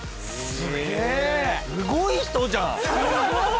すごい人じゃん！